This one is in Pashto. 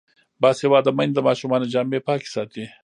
باسواده میندې د ماشومانو جامې پاکې ساتي.